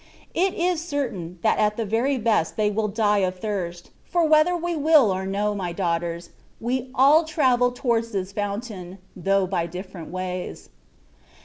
It is certain, that at the very best they will die of thirst ; for whe ther we will or no, my daughters, we all travel towards this fountain, though by different ways.